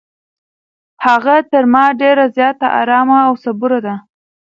هغه تر ما ډېره زیاته ارامه او صبوره ده.